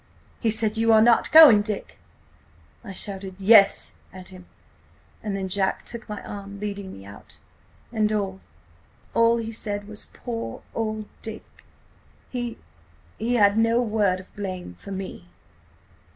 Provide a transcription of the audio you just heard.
He said: 'You are not going, Dick?' I shouted 'Yes,' at him, and then Jack took my arm, leading me out. "And–and all he said was: 'Poor old Dick!'. .. He–he had no word of blame for me.